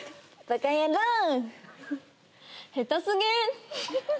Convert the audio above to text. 下手過ぎ！